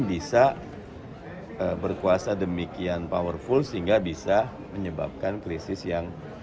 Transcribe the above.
bisa berkuasa demikian powerful sehingga bisa menyebabkan krisis yang